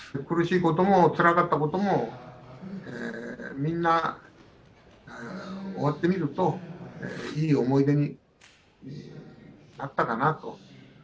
苦しいことも、つらかったこともみんな終わってみるといい思い出になったかなと。